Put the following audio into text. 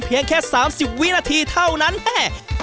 เพียงแค่สามสิบวินาทีเท่านั้นแห่ะ